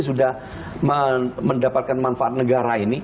sudah mendapatkan manfaat negara ini